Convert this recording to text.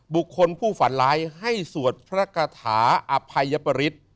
บุคคลผู้ฝันร้ายให้สวดพระกฐาอภัยปริศ